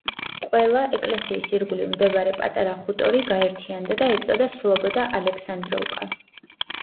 ყველა, ეკლესიის ირგვლივ მდებარე პატარა ხუტორი გაერთიანდა და ეწოდა სლობოდა ალექსანდროვკა.